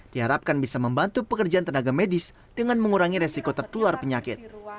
diharapkan bisa membantu pekerjaan tenaga medis dengan mengurangi resiko tertular penyakit